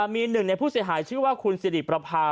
มีหนึ่งในผู้เสียหายชื่อว่าคุณสิริประพา